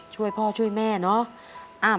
ช่วยพ่อช่วยแม่เนาะ